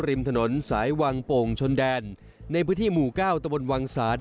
ริมถนนสายวังโป่งชนแดนในพื้นที่หมู่เก้าตะบนวังศาล